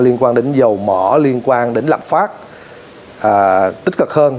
liên quan đến dầu mỏ liên quan đến lạc pháp tích cực hơn